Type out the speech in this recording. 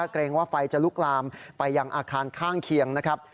เกรงว่าไฟจะลุกลามไปยังอาคารข้างเคียงนะครับ